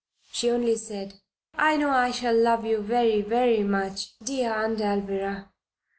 She only said: "I know I shall love you very, very much, dear Aunt Alvirah.